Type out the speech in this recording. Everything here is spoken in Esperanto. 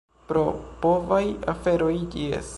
Pro povaj aferoj, jes.